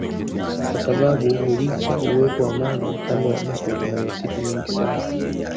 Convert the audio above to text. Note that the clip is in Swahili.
Kwa sababu licha uwepo wa maji kando ya mto kuna misitu mingi sana